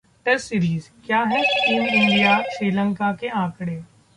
test series: क्या कहते हैं टीम इंडिया-श्रीलंका के आंकड़े